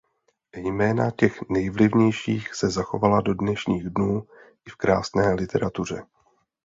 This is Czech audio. Jména těch nejvlivnějších se zachovala do dnešních dnů i v krásné literatuře.